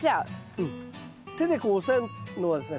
手でこう押さえるのはですね